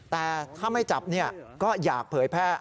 แต่ถ้าไม่จับก็อยากเผยแพร่